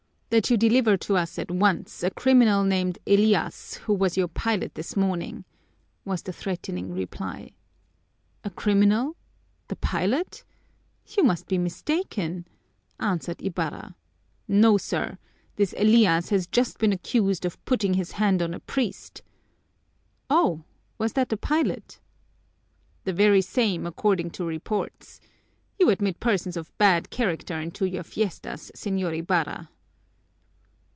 "That you deliver to us at once a criminal named Elias, who was your pilot this morning," was the threatening reply. "A criminal the pilot? You must be mistaken," answered Ibarra. "No, sir, this Elias has just been accused of putting his hand on a priest " "Oh, was that the pilot?" "The very same, according to reports. You admit persons of bad character into your fiestas, Señor Ibarra."